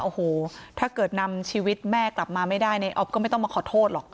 โอ้โหถ้าเกิดนำชีวิตแม่กลับมาไม่ได้ในออฟก็ไม่ต้องมาขอโทษหรอก